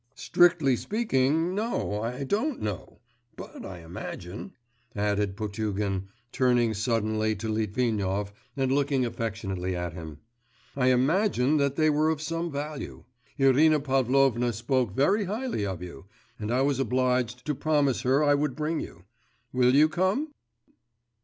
'Strictly speaking ... no, I don't know. But I imagine,' added Potugin, turning suddenly to Litvinov and looking affectionately at him, 'I imagine that they were of some value. Irina Pavlovna spoke very highly of you, and I was obliged to promise her I would bring you. Will you come?